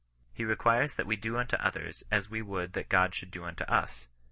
He requires that we do unto others as we would that God shoiUd do unto us.